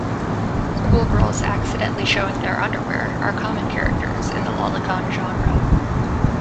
Schoolgirls accidentally showing their underwear are common characters in the lolicon genre.